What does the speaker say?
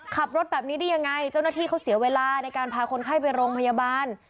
ขับรถแบบนี้ได้ยังไงเจ้าหน้าที่เขาเสียเวลาในการพาคนไข้ไปโรงพยาบาล